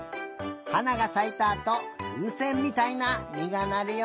はながさいたあとふうせんみたいなみがなるよ。